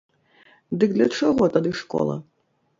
Дык для чаго тады школа?